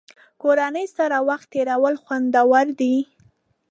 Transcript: کورنۍ سره وخت تېرول خوندور دي.